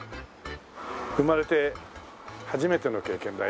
生まれて初めての経験だ。